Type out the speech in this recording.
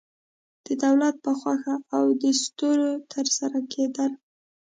د دولت په خوښه او دستور ترسره کېدل.